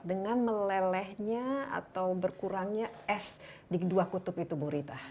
dengan melelehnya atau berkurangnya es di kedua kutub itu bu rita